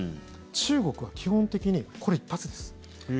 中国は基本的にこれ一発です。